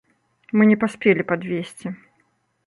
Мы не паспелі падвезці.